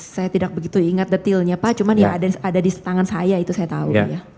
saya tidak begitu ingat detailnya pak cuma ada di tangan saya itu saya tahu